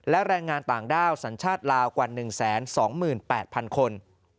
และแรงงานต่างด้าวสัญชาติลาวกว่า๑๒๘๐๐๐คน